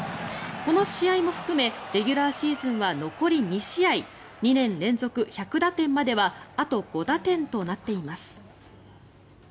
この試合も含めレギュラーシーズンは残り２試合２年連続１００打点まではあと５打点となっています。